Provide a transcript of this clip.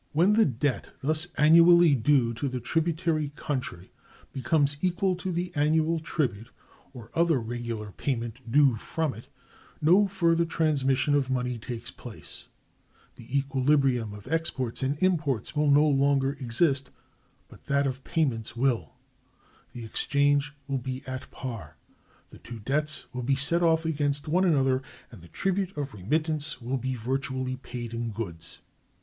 When the debt thus annually due to the tributary country becomes equal to the annual tribute or other regular payment due from it, no further transmission of money takes place; the equilibrium of exports and imports will no longer exist, but that of payments will; the exchange will be at par, the two debts will be set off against one another, and the tribute or remittance will be virtually paid in goods.